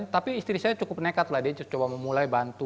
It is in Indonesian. tapi istri saya cukup nekat lah dia coba memulai bantu